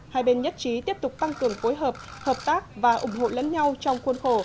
một mươi ba hai bên nhất trí tiếp tục tăng cường phối hợp hợp tác và ủng hộ lẫn nhau trong khuôn khổ